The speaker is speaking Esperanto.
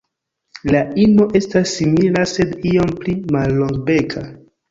La ino estas simila, sed iom pli mallongbeka.